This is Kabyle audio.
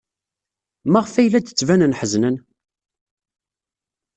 Maɣef ay la d-ttbanen ḥeznen?